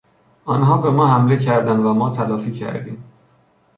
آنها به ما حمله کردند و ما تلافی کردیم.